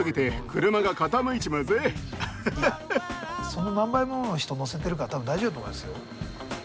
その何倍もの人を乗せてるから多分大丈夫だと思いますよ。